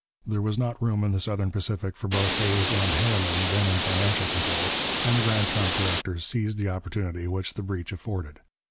There was not room in the Southern Pacific for both Hays and Harriman, then in financial control, and the Grand Trunk directors seized the opportunity which the breach afforded.